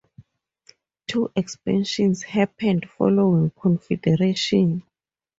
Two expansions happened following Confederation.